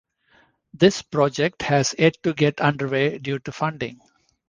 This project has yet to get underway due to funding.